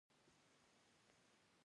چین د راتلونکي اقتصادي زبرځواک دی.